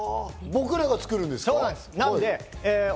僕らが作るんですか？